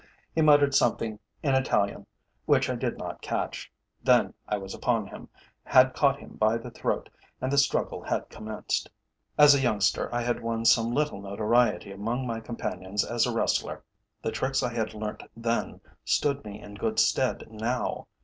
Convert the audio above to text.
He muttered something in Italian which I did not catch, then I was upon him, had caught him by the throat, and the struggle had commenced. As a youngster I had won some little notoriety among my companions as a wrestler. The tricks I had learnt then stood me in good stead now.